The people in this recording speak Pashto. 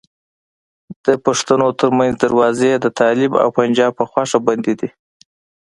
د پښتنو ترمنځ دروازې د طالب او پنجاب په خوښه بندي دي.